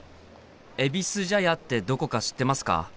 えびす茶屋ってどこか知ってますか？